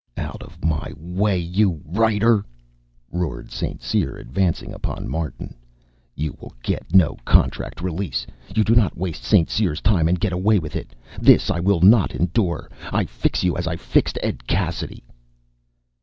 "Out of my way, you writer!" roared St. Cyr, advancing upon Martin. "You will get no contract release! You do not waste St. Cyr's time and get away with it! This I will not endure. I fix you as I fixed Ed Cassidy!"